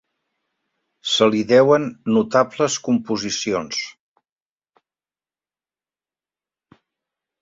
Se l'hi deuen notables composicions.